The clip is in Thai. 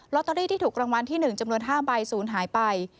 ตอรี่ที่ถูกรางวัลที่๑จำนวน๕ใบศูนย์หายไป